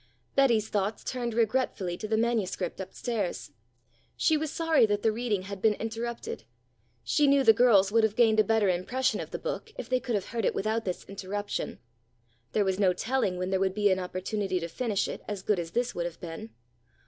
Betty's thoughts turned regretfully to the manuscript up stairs. She was sorry that the reading had been interrupted. She knew the girls would have gained a better impression of the book if they could have heard it without this interruption. There was no telling when there would be an opportunity to finish it as good as this would have been.